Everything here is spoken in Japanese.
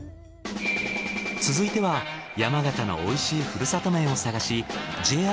続いては山形の美味しいふるさと麺を探しＪＲ